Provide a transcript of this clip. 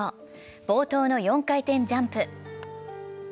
冒頭の４回転ジャンプ。